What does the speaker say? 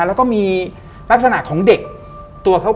แล้วก็มีลักษณะของเด็กตัวเขา